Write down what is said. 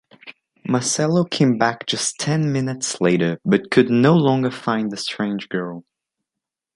Marcello came back just ten minutes later, but could no longer find the strange girl.